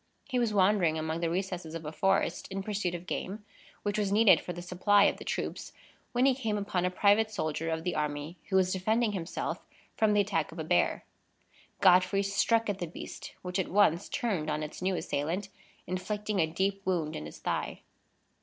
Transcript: He was wandering among the recesses of a forest in pursuit of game, which was needed for the supply of the troops, when he came upon a private soldier of the army, who was defending himself from the attack of a bear. Godfrey struck at the beast, which at once turned on its new assailant, inflicting a deep wound in his thigh.